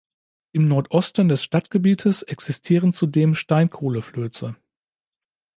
Im Nordosten des Stadtgebietes existieren zudem Steinkohle-Flöze.